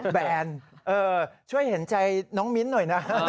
แบนช่วยเห็นใจน้องมิ้นท์หน่อยนะ